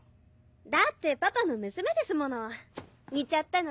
だってパパの娘ですもの似ちゃったのね。